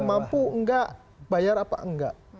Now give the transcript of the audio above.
mampu enggak bayar apa enggak